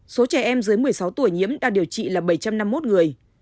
số trẻ em dưới một mươi sáu tuổi nhiễm đang điều trị là bảy trăm năm mươi một người